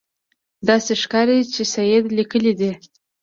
داسې ښکاري چې سید لیکلي دي.